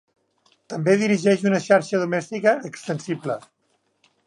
També dirigeix una xarxa domèstica extensible.